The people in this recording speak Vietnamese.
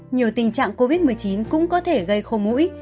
nhiều tình trạng covid một mươi chín cũng có thể gây khô mũi